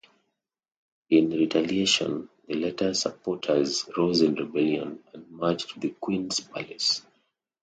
In retaliation, the latter's supporters rose in rebellion, and marched to the Queen's palace.